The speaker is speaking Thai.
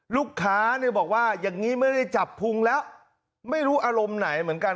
ลูกค้าเนี่ยบอกว่าอย่างนี้ไม่ได้จับพุงแล้วไม่รู้อารมณ์ไหนเหมือนกัน